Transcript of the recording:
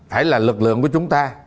phải là lực lượng của chúng ta